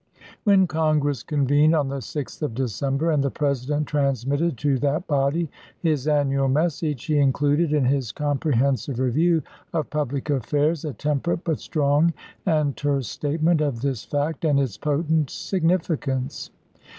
When Congress convened on the 6th of December, 1864. and the President transmitted to that body his an nual message, he included in his comprehensive review of public affairs a temperate but strong and terse statement of this fact and its potent signifi cance.